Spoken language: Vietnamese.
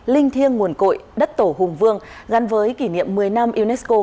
linh thiêng nguồn cội đất tổ hùng vương gắn với kỷ niệm một mươi năm unesco